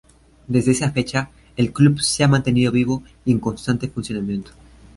Desde esa fecha el club se ha mantenido vivo y en constante funcionamiento.